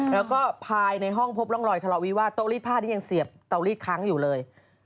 แล้วก็ภายในห้องพบร่องรอยทะเลาวิวาสโต๊ะรีดผ้าที่ยังเสียบเตาลีดค้างอยู่เลย